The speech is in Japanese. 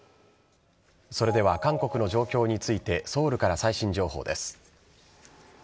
それでは韓国の状況についてソウルから最新情報です。